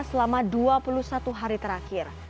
selama dua puluh satu hari terakhir